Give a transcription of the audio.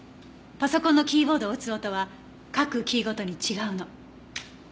パソコンのキーボードを打つ音は各キーごとに違うの。